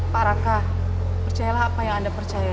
pak raka percayalah apa yang anda percaya